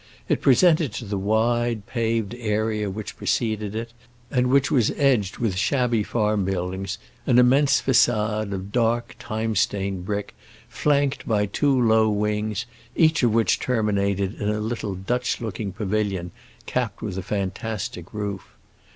It presented to the wide, paved area which preceded it and which was edged with shabby farm buildings an immense façade of dark time stained brick, flanked by two low wings, each of which terminated in a little Dutch looking pavilion capped with a fantastic roof.